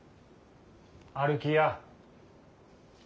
歩きや。